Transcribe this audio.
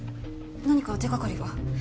何か手掛かりは？